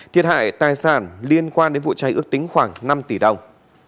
thiệt hại tài sản liên quan đến vụ cháy ước tính khoảng năm tỷ đồng